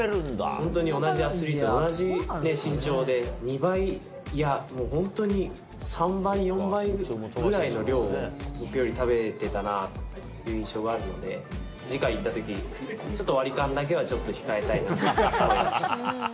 本当に同じアスリート、同じ身長で２倍、いや、もう本当に３倍、４倍ぐらいの量を僕より食べてたなって印象があるので、次回行ったとき、ちょっと割り勘だけは、ちょっと控えたいなと思います。